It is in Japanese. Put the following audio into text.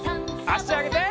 あしあげて。